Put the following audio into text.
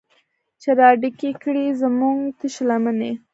چې راډکې کړي زمونږ تشې لمنې